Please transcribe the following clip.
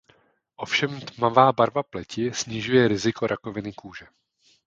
Ovšem tmavá barva pleti snižuje riziko rakoviny kůže.